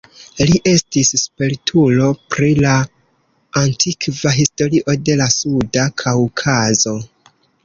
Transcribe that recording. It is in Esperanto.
Li estis spertulo pri la antikva historio de la suda Kaŭkazo.